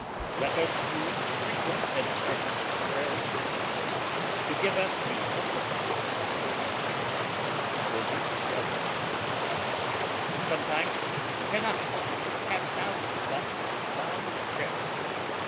Let us use frequent and earnest Prayers to God, to give us the assistance of his holy Spirit; for this Devil of Lust sometimes cannot be cast out but by Prayer.